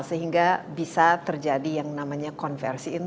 sehingga bisa terjadi yang namanya konversi